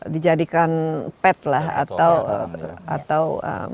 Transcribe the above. dijadikan pet lah atau